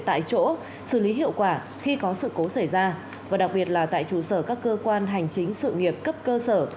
tại chỗ xử lý hiệu quả khi có sự cố xảy ra và đặc biệt là tại trụ sở các cơ quan hành chính sự nghiệp cấp cơ sở